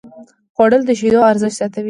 خوړل د شیدو ارزښت زیاتوي